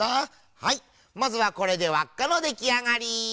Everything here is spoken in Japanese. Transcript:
はいまずはこれでわっかのできあがり。